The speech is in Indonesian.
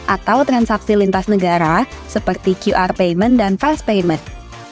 atau transaksi lintas negara seperti qr payment dan fast payment